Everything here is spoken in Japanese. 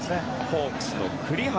ホークスの栗原。